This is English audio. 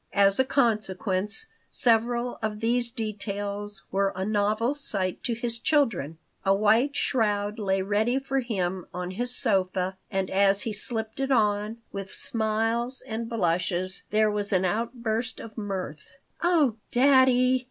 As a consequence, several of these details were a novel sight to his children. A white shroud lay ready for him on his sofa, and as he slipped it on, with smiles and blushes, there was an outburst of mirth "Oh, daddy!"